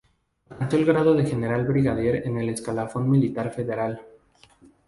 Alcanzó el grado de general brigadier en el escalafón militar federal.